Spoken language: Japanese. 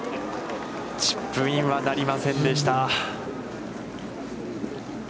チップインはなりませんでした。